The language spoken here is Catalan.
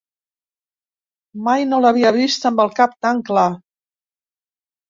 Mai no l'havia vist amb el cap tan clar.